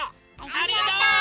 ありがとう！